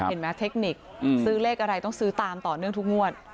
เห็นไหมเทคนิคซื้อเลขอะไรต้องซื้อตามต่อเนื่องทุกงวด